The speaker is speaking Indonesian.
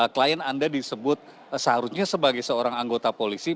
klien anda disebut seharusnya sebagai seorang anggota polisi